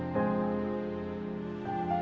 terima kasih ya